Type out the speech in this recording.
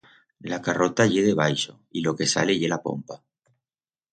La carrota ye debaixo y lo que sale ye la pompa.